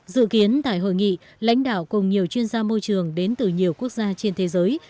dự kiến tại hội nghị lãnh đạo cùng nhiều chuyên gia môi trường đến từ nhiều quốc gia trên thế giới